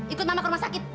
ikut mama ke rumah sakit